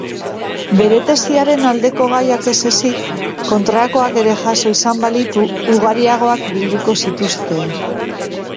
Bere tesiaren aldeko gaiak ez ezik, kontrakoak ere jaso izan balitu, ugariagoak bilduko zituzkeen.